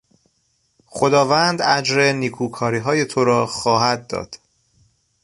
خداوند اجر نیکوکاریهای تو را خواهد داد.